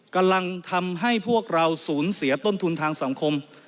กำลังทำให้พวกเราสูญเสียต้นทุนทางสังคม